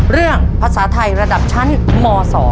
เรื่องภาษาไทยระดับชั้นม๒